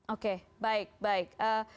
oke baik baik